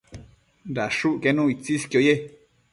dashucquenu itsisquio ye